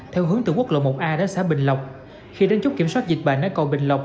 theo hướng từ quốc lộ một a đến xã bình lộc khi đến chốt kiểm soát dịch bệnh ở cầu bình lộc